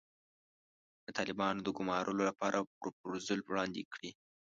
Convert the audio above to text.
د طالبانو د ګومارلو لپاره پروفوزل وړاندې کړي.